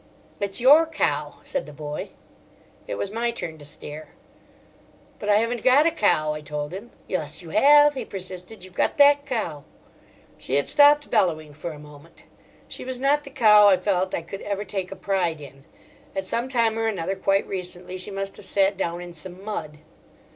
"It's your cow," said the boy. It was my turn to stare. "But I haven't got a cow," I told him. "Yus you have," he persisted; "you've got that cow." She had stopped bellowing for a moment. She was not the cow I felt I could ever take a pride in. At some time or another, quite recently, she must have sat down in some mud.